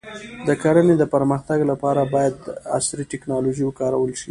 د کرنې د پرمختګ لپاره باید عصري ټکنالوژي وکارول شي.